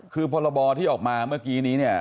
คือพละบที่ออกมาเมื่อกี้นี่